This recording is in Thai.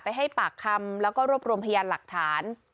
ให้ปากคำแล้วก็รวบรวมพยานหลักฐาน